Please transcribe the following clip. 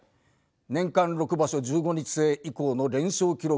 年間６場所１５日制以降の連勝記録